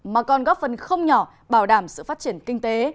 mà còn góp phần không nhỏ bảo đảm sự phát triển kinh tế